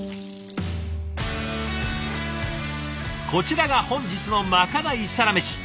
こちらが本日のまかないサラメシ。